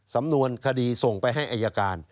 สำนวนคดีส่งไปให้อายการ